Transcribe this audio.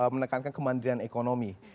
menekankan kemandiran ekonomi